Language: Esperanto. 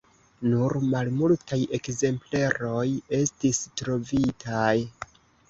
Nur malmultaj ekzempleroj estis trovitaj.